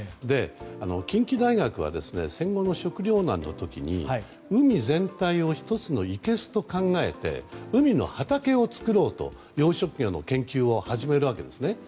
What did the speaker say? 近畿大学は戦後の食糧難の時に海全体を１つのいけすと考えて海の畑を作ろうと養殖魚の研究を始めるわけですね。